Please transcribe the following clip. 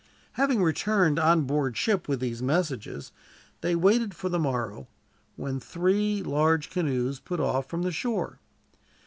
Having returned on board ship with these messages, they waited for the morrow, when three large canoes put off from the shore.